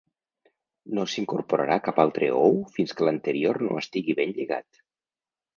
No s’incorporarà cap altre ou fins que l’anterior no estigui ben lligat.